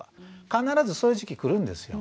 必ずそういう時期来るんですよ。